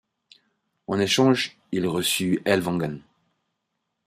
En échange, il reçut Ellwangen.